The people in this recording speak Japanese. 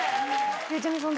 ・ゆうちゃみさん